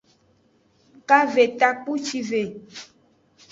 Kave takpucive.